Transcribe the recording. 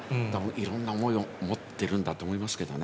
いろんな思いを持っているんだと思います。